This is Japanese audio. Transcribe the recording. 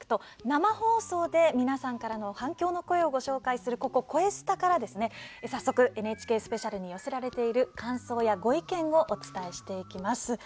生放送で皆さんからの反響の声をご紹介するここ「こえスタ」から早速「ＮＨＫスペシャル」に寄せられている感想やご意見をお伝えしていきます。